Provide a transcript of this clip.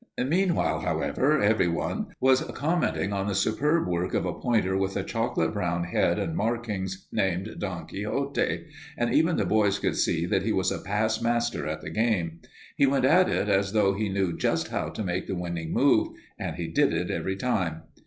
Meanwhile, however, everyone was commenting on the superb work of a pointer with a chocolate brown head and markings named Don Quixote, and even the boys could see that he was a past master at the game. He went at it as though he knew just how to make the winning move, and he did it every time.